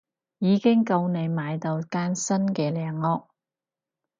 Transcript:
已經夠你買到間新嘅靚屋